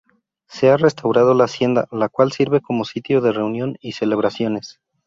Se ha restaurado la hacienda, la cual sirve como sitio de reunión y celebraciones.